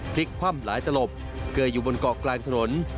พลิกคว่ำหลายตลบเกยอยู่บนเกาะกลางถนน